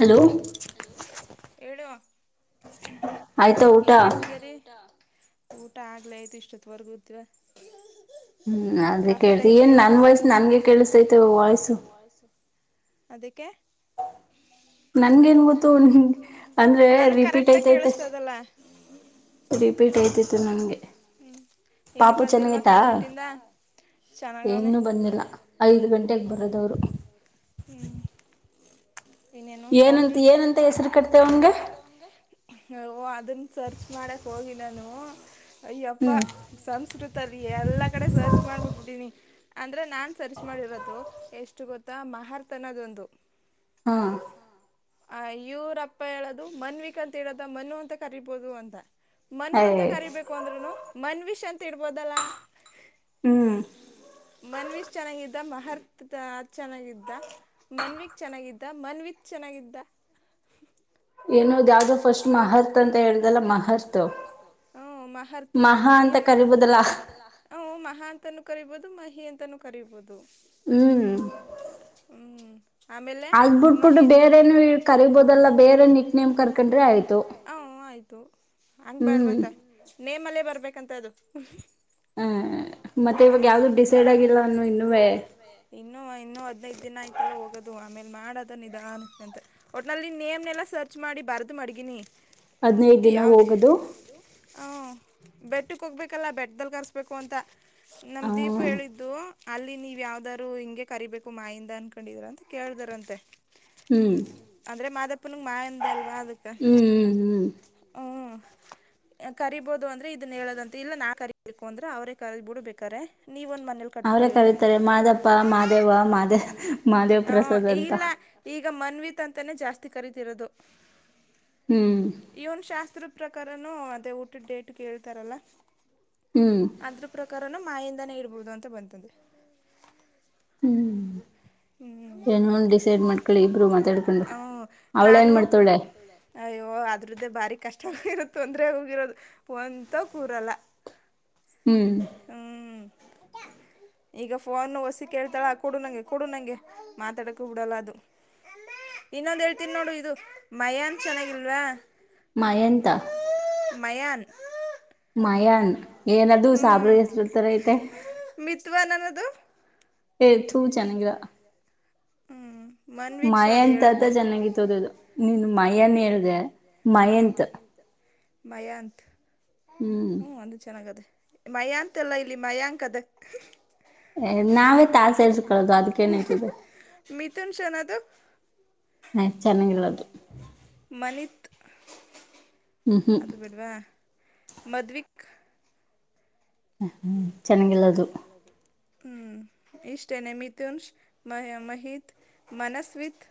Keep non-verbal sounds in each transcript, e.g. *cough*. Hello hello ಹೇಳು ಏನ್ ಮಾಡ್ತಿದರಿ? ಊಟ ಆಗ್ಲ ಆಯ್ತು ಇಷ್ಟೊತ್ವರ್ಗೂತ್ವಾ? ಹ್ಮ್ ಅದೇ ಕೇಳ್ತಿ ಏನ್ ನನ್ ವಯ್ಸ್ ನನ್ಗೆ ಕೇಳಿಸತೈತೆ ವಾಯ್ಸು ವಾಯ್ಸ್ ಅದಕ್ಕೆ. ನನಗ್ ಕರೆಕ್ಟ್ಗಿ ಕೇಳಿಸತದಲ್ಲ ಹ್ಮ್ ಇನ್ನು ಬಂದಿಲ್ವಾ ಕರ್ಮೆಂಟ್ಇಂದ ಚೆನ್ನಾಗ ಅವನೆ. ಬಂದಿಲ್ಲ ಐ ಗಂಟೆ ಹ್ಞ ಇನ್ನೇನು ಕಾಫಿ? ಏನಂತ ಹೆಸರು ಕಟ್ದಯ್ ಅವ್ನಗೆ? ಓ ಅದನ್ನ ಸರ್ಚ್ ಮಾಡಕ್ಕೆ ಹೋಗಿ ನಾನು ಅಯ್ಯಪ್ಪ. ಸಂಸ್ಕೃತ ಅಲ್ಲಿ ಎಲ್ಲಾ ಕಡೆ ಸರ್ಚ್ ಮಾಡ್ಬಿಟ್ಬಿಟ್ಟೀನಿ ಅಂದ್ರೆ ನಾನು ಸರ್ಚ್ ಮಾಡಿರೋದು ಎಷ್ಟು ಗೊತ್ತಾ ಮಹಂತ್ ಅನ್ನೋದೊಂದು ಹಾ ಆ ಇವರಪ್ಪ ಹೇಳದು ಮನ್ವೀಕ್ ಅಂತ ಹಿಡು ಮನು ಅಂತ ಕರಿಬೋದು ಅಂತ ಮನು ಅಂತ ಕರಿಬೇಕು ಅಂದ್ರುನು ಮನ್ವಿಷ್ ಅಂತ ಇಡ್ಬೋದಲ್ಲ? ಮನ್ವಿಶ್ ಚೆನ್ನಾಗಿದ್ದ ಮಹರ್ತ್ ಚೆನ್ನಾಗಿದ್ದ? ಮನ್ವಿಕ್ ಚೆನ್ನಾಗಿದ್ದ ಮನ್ವಿತ್ ಚೆನ್ನಾಗಿದ್ದ? ಏನೋದ ಯಾವವು ಫಸ್ಟ್ ಮಹತ್ ಅಂತ ಹೇಳ್ದಲ್ಲ ಮಹರ್ತ ಹ ಮಹರ್ತ್ ಮಹಿ ಅಂತ ಮಹಾ ಅಂತೂ ಕರಿಬಹುದು ಮಹಿ ಅಂತೂ ಕರಿಬಹುದು ಹ್ಮ್ ಆಮೇಲೆ ಮಹಿತ್ ಅದ್ಬಿಬಿಟ್ಟು ಬೇರೆೇಏನು ಕರಿಬೋದೆಲ್ಲ ನಿಮ್ ಕರ್ಕೊಂಡ್ರೆ ಆಯಿತು ಹ ಆಯ್ತು ಹಂಗಬೇಡವಂತ ನೇಮಲ್ಲೇ ಬರ್ಬೇಕಂತ ಅದು ಹ ಮತ್ತೆ ಇವಾಗ ಯಾವ್ದು ಡಿಸೈಡ್ ಆಗಿಲ್ಲ ಅನ್ನು ಇನ್ನುವೆ ಇನ್ನು ಇನ್ನೂ ಹದ್ನೈದು ದಿನ ಆಯ್ತಲ್ಲ ಹೋಗೋದು ಆಮೇಲೆ ಮಾಡೋದ ನಿಧನಾಕಾ ಅಂತೆ ಒಟ್ನಲ್ಲಿ ನೇಮ್ನೆಲ್ಲ ಸರ್ಚ್ ಮಾಡಿ ಬಾರದು ಮಡ್ಗಿನಿ ಯಾವ್ದ ಹಂ ಬೆಟ್ಟಕ್ಕೆ ಹೋಗ್ಬೇಕಲ್ಲ ಬೆಟ್ಟ್ದದಲ್ಲಿ ಕರೆಸ್ಬೇಕು ಅಂತ ನಮ್ಮ ದೀಪು ಹೇಳಿದ್ದು ಅಲ್ಲಿ ನೀವ್ ಯಾವ್ದಾರೂ ಹಿಂಗೆ ಕರಿಬೇಕು ಮಾ ಯಿಂದ ಅನ್ಕೊಂಡಿದ್ರ ಅಂತ ಕೇಳಿದಾರಂತೆ? ಅಂದ್ರೆ ಮಾದಪ್ಪನಂಗ ಮಾ ಇಂದ ಅಲ್ವಾ ಅದಕ್ಕ. ಹ್ಮ್ ಕರಿಬಹುದು ಅಂದ್ರೆ ಇದನ್ನ ಹೇಳದಂತೆ ಇಲ್ಲ ನಾ ಕರಿಬೇಕು ಅಂದ್ರೆ ಅವ್ರೇ ಕರಬಿಡು ಬೇಕಾರೆ ನೀವ ಒಂದ್ ಮನೇಲಿ ಕಟ್ಳ ಹ ಈಗಲ್ಲ *unintelligible* ಈಗ ಮನ್ವಿತ್ ಅಂತೇ ಜಾಸ್ತಿ ಕರೀತಿರೋದು. ಹ್ಮ್ ಇವನ್ ಶಾಸ್ತ್ರದ ಪ್ರಕಾರನು ಅದೇ ಹುಟ್ಟಿದ್ ಡೇಟ್ ಹೇಳ್ತಾರಲ್ಲ ಹ್ಮ್ ಅದ್ರ ಪ್ರಕಾರನ ಮಾಯಿಂದಾನೇ ಇಡ್ಬೋದು ಅಂತ ಬಂತಿದೆೆ. ಹ್ಮ್ ಏನು ಒಂದ್ ಡಿಸೈಡ್ ಮಾಡ್ಕಳಿ ಇಬ್ರು ಮಾತಾಡ್ಕೊಂಡು. ಅವ್ಳ ಏನ್ ಮಾಡ್ತಾಳೆ? ಅಯ್ಯೋ ಅದ್ರದ್ದೇ ಬಾರಿ ಕಷ್ಟ ಇರುತ್ತ ಅಂದ್ರೆ ಹೋಗಿರೋದುಂತ ಕೂರಲ್ಲ ಹ್ಮ್ ಈಗ ಫೋನ್ ಹೊಸಿ ಕೇಳ್ತಾಳ ಕೊಡು ನಂಗೆ ಕೊಡು ನಂಗೆ ಮಾತಾಡಕೂ ಬಿಡಲ್ಲ ಅದು. ಇನ್ನೊಂದು ಹೇಳ್ತೀನಿ ನೋಡು ಇದು ಮಯಮ್ ಚೆನ್ನಾಗಿಲ್ವಾ? ಮಾಯಂತ. ಮಯಾನ್. ಮಯನ್ ಏನದು ಸಾಬ್ರ ಹೆಸತರ ಐತೆ. ಏ ತೂ ಚೆನ್ನಾಗಿಲ್ಲ. ಮಯಾಂತ್ ಅಂತ ಚೆನ್ನಾಗಿತ್ತು ಅದು ನೀನ್ ಮಯನ್ ಹೇಳಿದೆ ಮಯಂತ್. ಮಯಾಂತ್ ಹ್ಞೂ ಅದು ಚೆನ್ನಾಗದೇ ಮಯಾಂತ್ ಎಲ್ಲ ಇರ್ಲಿ ಮಯಾಂಕ್ ಅದೆ ಏ ನಾವೇ ತಾಸ ಸೇಸ್ಕೊಳ್ಳೋದು ಅದಕ್ಕ ಏನಯ್ತದೆ. ಮಿಥುನ್ ಸನ್ನದು. ಹೆ ಚೆನ್ನಾಗಿಲ್ಲ ಅದು. ಮನೀತ್. ಅದು ಬೆಡ್ವಾ ಮದ್ವಿಕ್. ಹ್ಮ ಹ್ಮ್ ಚೆನ್ನಾಗಿಲ್ಲ ಅದು ಹ್ಮ್ ಇಷ್ಟೇನೆ ಮಿಥುನ್ಶ ಮಹ ಮಹಿತ್. ಮನಸ್ವಿತ್.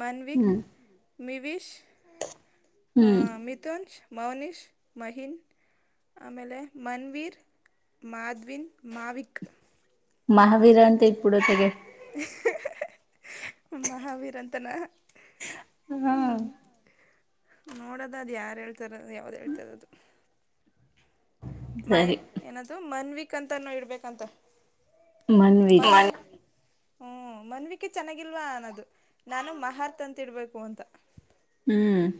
ಮನ್ವಿಕ್ ಮಿವಿಷ್ ಹ ಮಿಥುಂಚ್. ಮೌನೀಶ್ ಮಹೀನ್ ಆಮೇಲೆ ಮನ್ವೀರ್ ಮಾಧ್ ವಿನ್ ಮಾವಿಕ್. ಮಹಾವೀರ ಅಂತ ಇಟ್ ಬಿಡು ಅತ್ತಾಗೆ. ಮಹಾವೀರ ಅಂತನಾ. ಹಾ ನೋಡದ ಅದು ಯಾರ್ ಹೇಳ್ತಾರ ಯಾವ್ದ್ ಹೇಳ್ತಾರ ಅದು. ಮಯ ಏನದು ಮನ್ವಿಕ್ ಅಂತನು ಇಡ್ಬೇಕಂತ. ಹ ಮನವಿ *unintelligible* ಹ್ಮ ಮನ್ವಿಕೆ ಚೆನ್ನಾಗಿಲ್ವಾ ಅನ್ನೋದು ನಾನು ಮಹಥ ಅಂತ ಇಡ್ಬೇಕು ಅಂತ. ಹ್ಮ್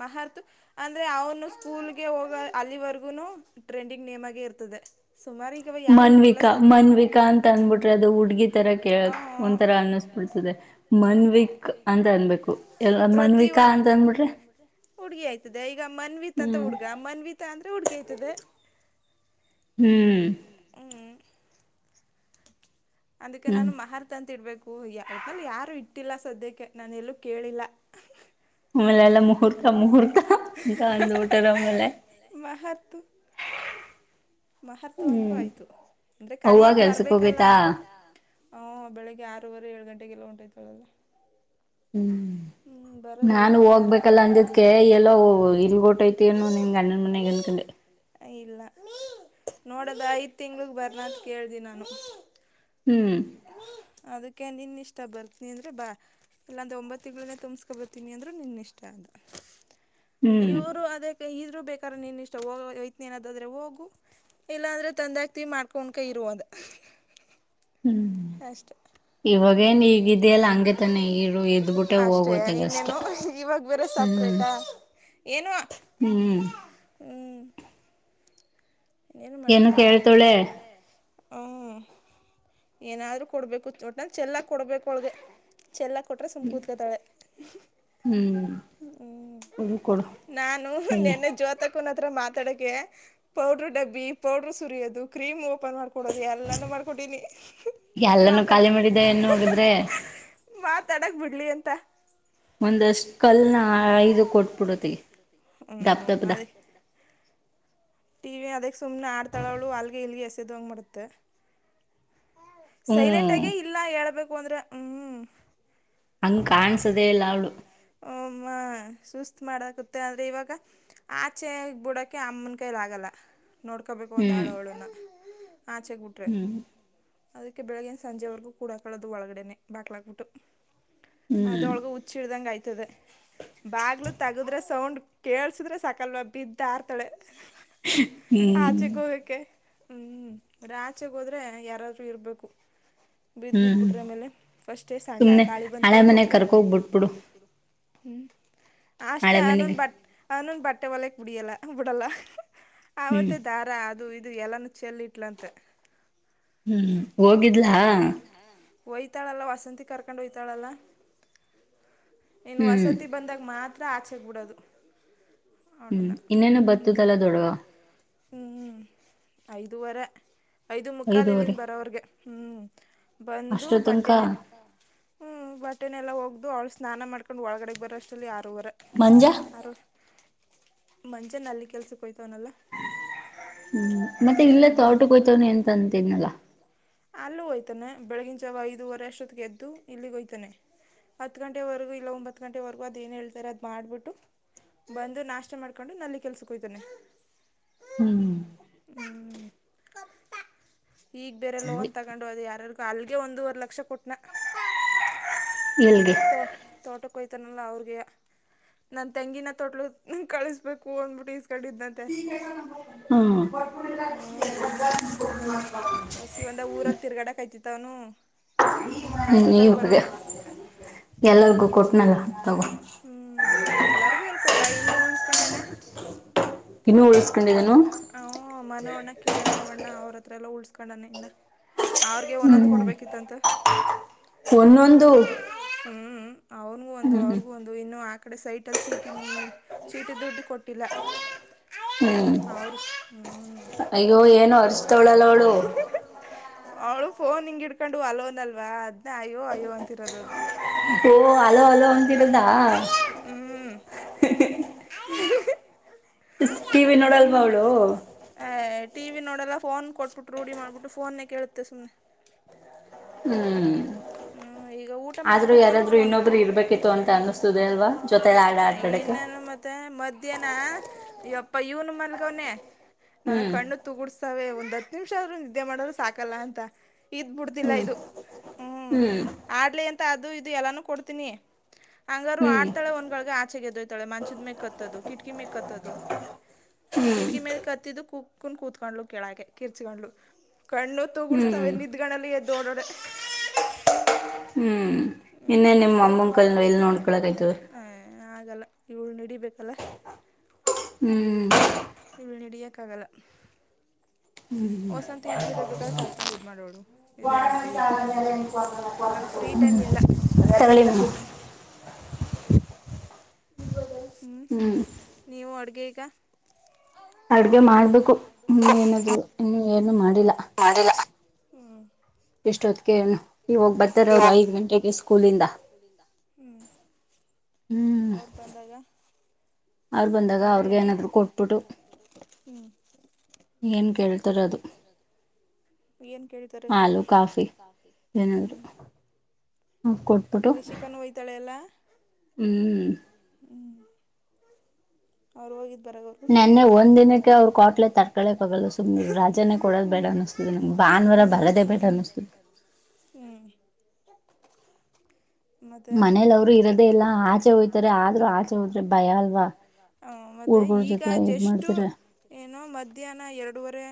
ಮಹರ್ತ್ ಅಂದ್ರೆ ಅವನು ಸ್ಕೂಲ್ಗೆ ಹೋಗ ಅಲ್ಲಿವರ್ಗುನು ಟ್ರೆಂಡಿಂಗ್ ನಿಮಗೇ ಇರ್ತದೆ. ಸುಮಾರಿಗ ಇವಗ್ ಯಾರು ಇಟ್ಟಿಲ್ಲ ಸರಿ ಮಾನ್ವಿತಾ ಅಂತ ಅದು ಹುಡುಗಿ ತರ ಹ್ಮ್ *unintelligible* ಮನ್ವಿಕ್ ಅಂತ್ ಅನ್ನಬೇಕು ಪ್ರತಿ ಒಂದ ಮನ್ವಿಕಾ ಅಂತ್ ಅಂದಬಿಟ್ರೆ. ಹುಡ್ಗಿ ಆಯ್ತದೆ ಈಗ ಮನ್ವಿತ್ ಅಂತ ಹುಡ್ಗ ಮನ್ವಿತಾ ಅಂದ್ರೆ ಹುಡ್ಗಿ ಆಯ್ತದೆ. ಹ್ಮ ಹ್ಮ್. ಅದಕ್ಕ ನಾನು ಮಹರ್ತ ಅಂತ ಇಡ್ಬೇಕ ಓಹ ಯ ಒಟ್ನಲ್ಲಿ ಯಾರು ಇಟ್ಟಿಲ್ಲ ಸದ್ಯಕ್ಕೆ ನಾನ ಎಲ್ಲೂ ಕೇಳಿಲ್ಲ ಆಮೇಲೆ ಎಲ್ಲ ಮುಹೂರ್ತ ಮುಹೂರ್ತ *unintelligible* ಆಮೇಲೆ ಮಹರ್ತ್. ಮಹತ್ತ್ವ ಅಂದ್ರು ಆಯ್ತು ಅಂದ್ರೆ ಕರಿಯಕ್ ಬರ್ಬೇಕಲ್ಲ *unintelligible* ಹಹ್ ಬೆಳಗ್ಗೆ ಆರೂವರೆ ಏಳು ಗಂಟೆಗೆಲ್ಲ ಹೊಂಟೊತದ ಅದು. ಹ್ಮ್. ಹ್ಮ್ ಬರದ್ ಐದುವರೆ ಆರ್ ಗಂಟೆಗೆನೆ ಹೋಗಬೇಕಲ್ಲ ಅಂದಿದ್ಕೆ ಎಲ್ಲೋ *unintelligible* ನಿನ್ ಗಂಡನ ಮನೆಗೆ ಅನ್ನಕಂಡೆ. ಆ ಇಲ್ಲ ನೋಡೋದು ಐದು ತಿಂಗ್ಳಿಗ ಬರನ ಅಂತ ಕೇಳ್ದಿ ನಾನು. ಹ್ಮ್. ಅದಕ್ಕೆ ನಿನ್ ಇಷ್ಟ ಬರ್ತನಿ ಅಂದ್ರೆ ಬಾ. ಇಲ್ಲಾಂದ ಒಂಬತ್ತು ತಿಂಗಳಗೆ ತುಂಬ್ಸ್ಕೊ ಬರ್ತನಿ ಅಂದ್ರು ನಿನ್ ಇಷ್ಟ ಅದು ಇವ್ರು ಅದೇ ಏ ಇದ್ರು ಬೇಕಾರ ನೀನ್ ಇಷ್ಟ ಹೋಗ ಹೋಯಿತ್ನಿ ಅನಾದದ್ರೆ ಹೋಗು. ಇಲ್ಲಾಂದ್ರೆ ತಂದಾಗಕ್ತಿವಿ ಮಾಡ್ಕೊಂಡ್ಕ ಇರುದ ಹ್ಮ ಅಷ್ಟ *unintelligible* ಅಷ್ಟೇ ಇನ್ನೇನು ಇವಾಗ ವಿರ ಸಪ್ರೇಟಾ ಹ್ಮ ಹ್ಮ ಏನ್ ಮಾಡಕಲ್ಲ ಕೇಳ್ತಳೆ. ಹ್ಮ ಏನಾರು ಕೊಡ್ಬೇಕು ಒಟ್ಟ ಚೆಲ್ಲಾ ಕೊಡ್ಬೇಕು ಒಳ್ಗೆ. ಚೆಲ್ಲಾ ಕೊಟ್ರೆ ಸುಮ್ ಕೂತ್ಕತಾಳೆ. ಹ್ಮ ಹ್ಮ ನಾನು ನೆನ್ನ ಜೋತ ಕತ್ರ ಮಾತಾಡಕೆ ಪೌಡ್ರ ಡಬ್ಬಿ ಪೌಡ್ರ ಸುರಿಯೋದು ಕ್ರೀಮ್ ಓಪನ್ ಮಾಡ್ಕ ಕೊಡೋದು ಎಲ್ಲಾನು ಮಾಡ್ಕೊಟ್ಟೀನಿ ಮಾತಾಡ ಮಾತಾಡಕ ಬಿಡ್ಲಿ ಅಂತ ಒಂದಷ್ ಹ್ಮ ಅದೇ ಟಿವಿ ಅದ ಸುಮನೆ ಆಡ್ತಾಳವಳು ಅಲ್ಗೆ ಇಲ್ಲಿಗೆ ಎಸೆದ ಹಂಗ್ ಮಾಡತ್ತೆ. ಸೈಲೆಂಟಾಗೇ ಇಲ್ಲ ಹೇಳ್ಬೇಕು ಅಂದ್ರ ಹ್ಮ ಹಂಗ ಕಾಣಸದೆೇ ಇಲ್ಲ ಅವಳು. ಹಮಾ ಸುಸ್ತ ಮಾಡಕುತ್ತೆ ಆದ್ರೆ ಇವಾಗ ಆಚೆ ಬಿಡಕೆ ಅಮ್ಮನ್ ಕೈಲ ಆಗಲ್ಲ. ನೋಡ್ಕೊಬೇಕು ಒಂದು ಆಳು ಅವಳನ್ನ ಆಚೆೆ ಬಿಟ್ರೆ ಅದಕ್ಕೆ ಬೆಳಗ್ಗಿನ ಸಂಜೆವರೆಗೂ ಕೂಡಾಕೊಳ್ಳೋದು ಒಳಗಡೆನೆ ಬಾಕ್ಲ ಆಬಿಟ್ಟು ಅದೊಳಗ ಹುಚ್ಚಿಡ್ದಂಗ ಆಯ್ತದೆ. ಬಾಗ್ಲು ತಗದ್ರೆ ಸೌಂಡ್ ಕೇೇಳಸಿದ್ರೆ ಸಕಲ್ ಬಿದ್ದ ಆರ್ತಾಳೆ. ಆಚೆಗ ಹೋಗಕೆ ಹ್ಮ ರಾಚೆಗ ಹೋದ್ರೆ ಯಾರಾದೂ ಇರ್ಬೇಕು. ಬಿದ್ದ ಗಿದ್ದ ಬಿಟ್ರೆ ಆಮೇಲೆ ಫಸ್ಟೇ ಸಣ್ಣ ಗಾಳಿ ಬಂತೂರು ಹ್ಮ ಅಷ್ಟೇ ಅನನ್ ಬಟ್ ಅನ್ನೊನ ಬಟ್ಟೆ ಒಲೆಕ್ ಬಿಡಿಯಲ್ಲ ಬಿಡಲ್ಲ ಆವತ್ತೆ ದ ರ ಅದು ಇದು ಎಲ್ಲಾನ ಚೆಲ್ಲಿ ಇಟ್ಲಂತೆ. ಹೋಗಿದ್ಲಾ ಹೊಯ್ತಾಳಲ್ಲ ವಸಂತಿ ಕರ್ಕೊಂಡು ಹೊಯ್ತಾಳಲ್ಲ. ಇನ್ನ ವಸತಿ ಬಂದಾಗ ಮಾತ್ರ ಆಚೆೆಗಬಿಡೋದು. ಅವಡಣ *unintelligible* ಹ್ಮ ಐದುವರೆ ಐದು ಮುಖಾಲ ಇಲ್ಲಿಂದ ಬರೋವರ್ಗೆ ಹ್ಮ ಬಂದು ಬಟ್ಟನೆ ಒಟ್ಟೆನೆಲ್ಲ ಹೋಗ್ದು ಅವಳು ಸ್ನಾನ ಮಾಡ್ಕೊಂಡು ಒಳಗಡೆ ಬರೋಷ್ಟಲ್ಲಿ ಆರೂವರೆ ಮಂಜ ಆರ ಮಂಜನ್ ಅಲ್ಲಿ ಕೆಲ್ಸಕ ಹಯ್ತವನಲ್ಲ. ಹ್ಮ ಮತ್ತೆ ಇಲೇ ತೋಟಕ ಹೋಯ್ತವನ ಎಂತ ಅಂತಿದನಲ್ಲ. ಅಲ್ಲೂ ಹೋಯ್ತಾನೆ ಬೆಳಗಿನ ಜಾವ ಐದುವರೆ ಅಷ್ಟೊತ್ತ ಗೆದ್ದು ಇಲ್ಲಿಗಹೋಯ್ತಾನೆ. ಹತ್ತ ಗಂಟೆವರೆಗೂ ಇಲ್ಲ ಒಂಬತ್ತ ಗಂಟೆವರೆಗೂ ಅದೇಏನು ಹೇಳ್ತಾರೆ ಅದು ಮಾಡಿಬಿಟ್ಟು ಬಂದು ನಾಷ್ಟಾ ಮಾಡ್ಕೊಂಡು ನಲ್ಲಿ ಕೆಲ್ಸಕ್ಕೆ ಹಯ್ತಾನೆ. ಹ್ಮ *unintelligible* ಈಗ ಬೇರೆ ಲೋನ್ ತಗೊಂಡ್ ಅದು ಯಾರಾರ ಅಲ್ಗೆ ಒಂದವರೆ ಲಕ್ಷ ಕೊಟ್ನಾ. ತೋಟ್ ತೋಟಕ್ಕ ವೈತನಲ್ ಅವ್ರಗೆ. ನನ್ ತೆಂಗಿನ ತೊಟ್ಲು ಕಳಿಸಬೇಕು ಅಂದ್ಬಿಟ್ಟು ಈಸ್ಗಂಡಿದ್ದಂತೆ. ಹ್ಮ *unintelligible* ಇ ಒಂದ ಊರಲ್ ತಿರ್ಗಡಕ್ಯ್ತಿತ್ತವನು ಆಸ್ಟೋತಲ್ ಬರೋನು *unintelligible* ಹ್ಮ್ ಎಲ್ಲಾರ್ಗು ಕೊಟ್ನಲ್ಲ *unintelligible* ಹ್ಮ್ ಎಲ್ಲರಗು ಎಲ್ ಕೊಟ್ಟ ಇನ್ನು ಉಳಸ್ಕೊಂಡಾನೇ. ಇನ್ನು ಉಳಸ್ಕೊಂಡಿದಾನ ಹ್ಮ್ ಮನೋ ಅಣ್ಣ ಕಿರಣ ಅಣ್ಣ ಅವ್ರ ಹತ್ರ ಎಲ್ಲ ಉಳ್ಸ್ಕೊಂಡನೆ ಇನ್ನ. ಅವ್ರಿಗೆ ಒಂದೊಂದ ಕೊಡ್ಬೇಕಿತ್ತಂತ. ಒಂದೊಂದು. ಹ್ಮ್ ಹ್ಮ್ ಅವ್ನಗೂ ಒಂದು ಅವ್ರಗೂ ಒಂದು *unintelligible* ಇದು ಇನ್ನು ಆ ಕಡೆ ಸೈಟ ಅಲ್ಲಿ ಚೀಟಿ ಚೀಟಿ ದುಡ್ಡು ಕೊಟ್ಟಿಲ್ಲ. ಹೌರು ಹ್ಮ್ ಅಯ್ಯೋ ಏನು *unintelligible* ಅವ್ಳು ಫೋನ್ ಹಿಂಗ ಇಡ್ಕೊಂಡು ಹಲೋ ಅನ್ನಲ್ವಾ ಅದ್ನ ಅಯ್ಯೋ ಅಯ್ಯೋ ಅಂತಿರೋದದು. ಓ ಅಲೋ ಅಲೋ ಅಂತಿರುದಾ. *unintelligible* ಟಿ ವಿ ನೋಡಲ್ವ ಅವ್ಳು. ಆ *unintelligible* ಟಿ ವಿ ನೋಡಲ್ಲ ಫೋನ್ ಕೊಟ್ಬಿಟ್ ರೂಢಿ ಮಾಡಬಿಟ್ಟು ಫೋನ್ನೇ ಕೇಳುತ್ತೆ ಸುಮ್ನೆ ಹ್ಮ್. ಆದ್ರೂ ಯಾರಾದ್ರು ಇನ್ನೊಬ್ರು ಇರ್ಬೇಕಿತ್ತು ಅಂತ ಅನ್ನಸುಧೆ ಅಲ್ವಾ ಜೊತೆಲ್ಲ ಆಡ ಆಟಾಡಕ್ಕೆ. ಮತ್ತೆ ಮಧ್ಯಾಹ್ನ ಯಪ್ಪಾ ಇವ್ನು ಮಲ್ಗವನೆ ನನ್ಗ ಕಣ್ಣ್ ಕುೂಡ್ಸ್ತಾವೆ ಒಂದ್ ಹತ್ ನಿಮಷ ಆದ್ರು ನಿದ್ದೆ ಮಾಡ್ರು ಸಾಕಲ್ಲ ಅಂತ. ಇದ್ ಬಿಡ್ದಿಲ್ಲ ಇದು ಹ್ಮ್ ಆಡ್ಲೆ ಅಂತ ಅದು ಇದು ಎಲ್ಲಾನು ಕೊಡ್ತೀನಿ. ಹಂಗಾರ್ರು ಆಡ್ತಾಳೆ ಒನ್ಗಳಗೆ ಆಚೆಗೆದೊಯ್ತಾಳೆ ಮಂಚದ್ ಮೇಲೆ ಕತ್ತೋದು ಕಿಟಕಿ ಮೆಕ್ ಹತ್ತದು. ಕಿಟಕಿ ಮೇಲ ಕತ್ತಿದ್ದು ಕುಕ್ಕುನ್ ಕೂತ್ಕೊಂಡ್ಳಲು ಕೆಳಗೆ ಕಿರ್ಚ್ಕೊಂಡ್ಲುು ಕಣ್ಣು ತೂಗೂಡಸತಾವೆ ನಿದ್ದ್ ಕಣ್ಣಲ್ಲಿ ಎದ್ದು ಓಡಡಕೆ. ಹ್ಮ್ ಇನ್ನೇ ನಿಮ್ಮ ಅಮ್ಮನ ಕೈಲ್ ಎಲ್ ನೋಡ್ಕೊಳಕ್ ಆಯಿತದೆ. ಹ ಆಗಲ್ಲ ಇವಳ್ನ ಹಿಡಿಬೇಕಲ್ಲ. ಹ್ಮ್. ಇವ್ಳನ ಹಿಡಿಯಕ್ ಆಗಲ್ಲ. ಹ್ಮ್ಮ *unintelligible* ಹ್ಮ *unintelligible* ಹ್ಮ್ ನೀವು ಅಡ್ಗೆ ಈಗ. ಅಡ್ಗೆ ಮಾಡ್ಬೇಕು ಹ ಏನಾದ್ರು ಇನ್ನು ಏನು ಮಾಡಿಲ್ಲ. ಮಾಡಿಲ್ಲ ಹ್ಮ. ಇಷ್ಟೊತ್ತಕೆ ಏನು. ಇವಗ್ ಬರ್ತಾರ ಅವ್ರು ಐದ್ ಗಂಟೆಗ್ ಸ್ಕೂಲಿಂದ ಹ್ಮ ಅವ್ರ ಬಂದಾಗ. ಅವ್ರು ಬಂದಾಗ ಅವ್ರಗೇ ಏನಾದ್ರೂ ಕೊಟ್ಬಿಟ್ಟು. *unintelligible* ಹ್ಮ್ ಏನ್ ಕೇಳ್ತಾರ ಅದು. ಏನ್ ಕೇಳತಾರೆ ಹ್ಮ ಹಾಲು ಕಾಫಿ ಹ್ಮ್ *unintelligible* ಹ್ಮ್ ಕೋಟ್ ಲಿಶಿಕಾನು ಹೊಯ್ತಾಳೆ ಅಲ್ಲ. ಹ್ಮ್. ಹ್ಮ್ ಅವ್ರು ಹೋಗಿದ್ ಬರ ನೆನ್ನೆ ಒಂದ್ ದಿನಕ್ಕೆ ಅವ್ರ ಕ್ವಾಟ್ಲೆ ತಡ್ಕಳ್ಳಕ್ಕ ಆಗಲ್ಲ ಸುಮ್ನಿರಿ ರಾಜನ್ನ ಕೊಡೋದ ಬೇಡ ಅನ್ನಸ್ತ್ ಭಾನುವಾರ ಬರದಬೇಡ ಅನ್ನಸತಿದೆ. ಹ್ಮ್ ಮತ್ತೆ ಮನೆಲ್ ಯಾರು ಇರೋದೇ ಇಲ್ಲಾ. ಹಾ ಮತ್ತೆ ಈಗ ಜಸ್ಟು. ಏನೋ ಮಧ್ಯಾಹ್ನ ಎರಡೂವರೆ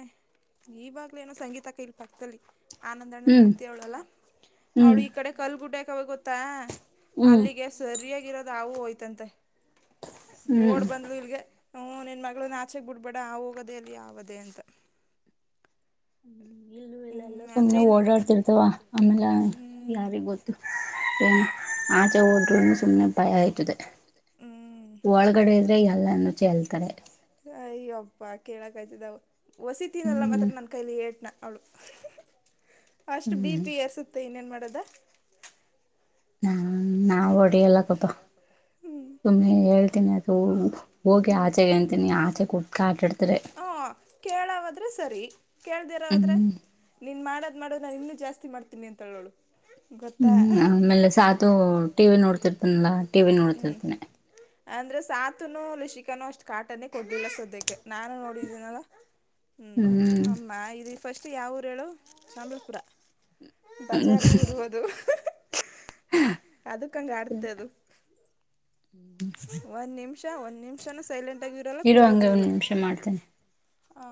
ಈವಾಗ್ಲೇ ಏನೋ ಸಂಗೀತಕ್ಕನ ಪಕ್ಕದಲ್ಲಿ ಆನಂದಣ್ಣನ ಹೆಣ್ತಿ ಅವ್ಳಲ್ಲ ಅವ್ಳು ಈ ಕಡೆ ಕಲ್ ಗುಡ್ಡಕ ಅವ ಗೊತ್ತಾ ಅಲ್ಲಿಗೆ ಸರಿಯಾಗಿರೋದ ಹಾವೂ ಹೋಯ್ತಂತೆ ಓಡ್ ಬಂದ್ಲು ಇಲ್ಗೆ. ಹ್ಞ ನಿನ್ನ ಮಗಳನ್ನ ಆಚೆಗ ಬಿಡ್ಬೇಡ ಹಾವೋಗದೆ ಅಲ್ಲಿ ಹಾವದೇ ಅಂತ. ಸುಮ್ನೆ ಓಡಾಡ್ತಿರ್ತವ ಆಮೇಲೆ ಯಾರಿಗ ಗೊತ್ತ *unintelligible* ಆಚೆ ಹೋದ್ರೂನು ಸುಮ್ಮ್ನೆ ಭಯ ಆಯ್ತದೆ ಒಳಗಡೆ ಇದ್ರೆ ಎಲ್ಲನ್ನು ಚಲ್ತ ತರೆ. ಅಯ್ಯಪ್ಪ ಕೇಳಕಾಯ್ತದಳ ವಸಿ ತಿನಲ್ಲ ಮಾತ್ರ ನನ್ನ ಕೈಲಿ ಏಟ್ನಾ ಅಷ್ಟ ಬಿಪಿ ಎರ್ಸ್ತ್ತೆ ಇನ್ನೇನ ಮಾಡದ. ಹಾ ನಾ ಹೊಡಿಯಲ್ಲಪತ್ತಾ ಸುಮ್ಮ್ನೆ ಹೇಳ್ತೀನಿ ಕೇಳು ಹೋಗೆ ಆಚೆಗಂತೀನಿ ಆಚೆ ಕುಡ್ತಾ ಆಟಾಡ್ತಾರೆ. ಕೇಳಾವ ಆದ್ರೆ ಸರಿ ಕೇಳ್ದಿರ್ರೆ ಆದ್ರೆ ನೀನ್ ಮಾಡ ಮಾಡಲ್ಲ ಇನ್ನೂ ಜಾಸ್ತಿ ಮಾಡ್ತೀನಿ ಅಂತವಳ ಅವ್ಳು. ಹ್ಮ್ ಆಮೇಲೆ ಸಾತು ಟಿವಿ ನೋಡ್ತಿರ್ತನಲ್ಲಾ ಟಿವಿ ನೋಡ್ತಿರ್ತನಿ. ಅಂದ್ರೆ ಸಾತ್ ತುಣು ನಿಶಿಕಾನು ಅಷ್ಟ ಕಾಟನ್ನೇ ಕೊಡ್ಲಿಲ್ಲ ಸದ್ಯಕ್ಕೆ ನಾನು ನೋಡಿದ್ದೀನಲ್ಲ. ಹ್ಮ ಹ ಅಮ್ಮಾ ಇದು ಫಸ್ಟ್ ಯಾವುರ ಹೇಳು ಸಂಬಲಪುರ. ಬಜಾರಿ ಊರುವುದು ಅದಕ್ಕ ಹಂಗ ಆಡ್ತ ಅದೆ. ಹ್ಮ್. ಒನಿಮಿಷ ಒನಿಮಿಷನೂ ಸೈಲೆಂಟ್ ಆಗಿ ಇರಲ್ಲ ಕೂರೋದು ಇಲ್ಲ. ಹಾ